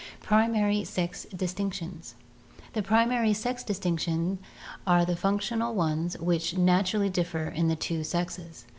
Primary Sex Distinctions The primary sex distinctions are the functional ones which naturally differ in the two sexes.